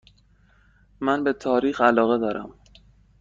من به تاریخ علاقه دارم.